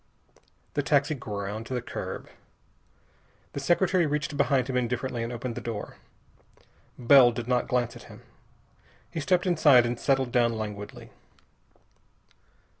The taxi ground to the curb. The secretary reached behind him indifferently and opened the door. Bell did not glance at him. He stepped inside and settled down languidly.